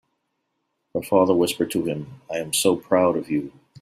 Her father whispered to him, "I am so proud of you!"